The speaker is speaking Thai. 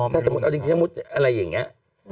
ถ้าสมมติอะไรอย่างนี้